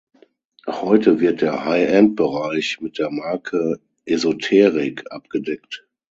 Heute wird der High-End-Bereich mit der Marke "Esoteric" abgedeckt.